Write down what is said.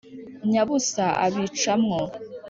nyabusa abica mwo